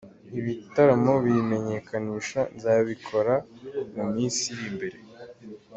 Ibitaramo biyimenyekanisha nzabikora mu minsi iri imbere.